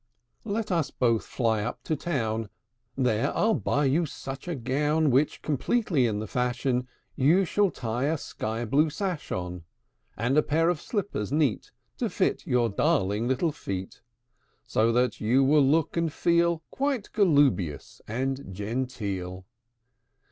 V. "Let us both fly up to town: There I'll buy you such a gown! Which, completely in the fashion, You shall tie a sky blue sash on; And a pair of slippers neat To fit your darling little feet, So that you will look and feel Quite galloobious and genteel.